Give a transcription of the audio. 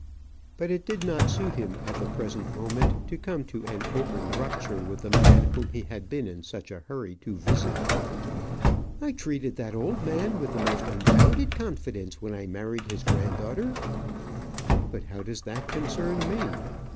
But it did not suit him at the present moment to come to an open rupture with the man whom he had been in such a hurry to visit. "I treated that old man with the most unbounded confidence when I married his granddaughter " "But how does that concern me?